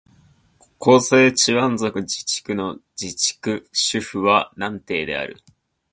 広西チワン族自治区の自治区首府は南寧である